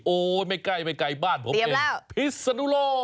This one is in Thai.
โอ๊ยไม่ใกล้บ้านผมเป็นพิสุนุโล